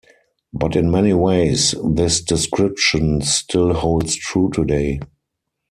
But in many ways, this description still holds true today.